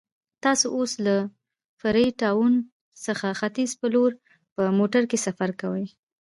تاسو اوس له فري ټاون څخه ختیځ په لور په موټر کې سفر کوئ.